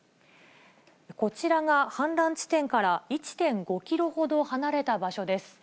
こちらが氾濫地点から１．５キロほど離れた場所です。